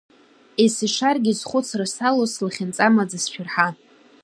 Ес-ишаргьы зхәыцра салоу, Слахьынҵа амаӡа сшәырҳа.